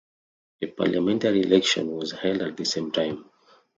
A parliamentary election was held at the same time.